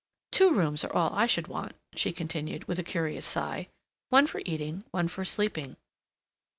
"Two rooms are all I should want," she continued, with a curious sigh; "one for eating, one for sleeping.